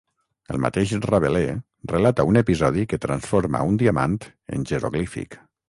El mateix Rabelais relata un episodi que transforma un diamant en jeroglífic.